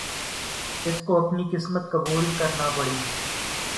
اس کو اپنی قسمت قبول کرنا پڑی۔